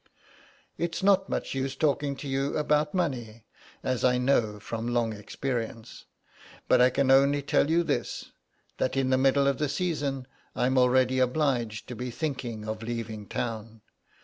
"It's not much use talking to you about money, as I know from long experience, but I can only tell you this, that in the middle of the Season I'm already obliged to be thinking of leaving Town.